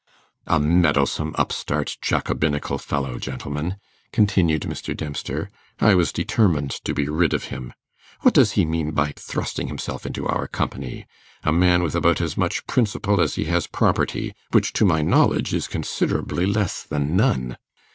'A meddlesome, upstart, Jacobinical fellow, gentlemen', continued Mr. Dempster. 'I was determined to be rid of him. What does he mean by thrusting himself into our company? A man with about as much principle as he has property, which, to my knowledge, is considerably less than none.